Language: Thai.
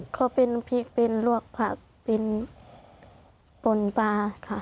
เขาเป็นพริกเป็นลวกผักเป็นปนปลาค่ะ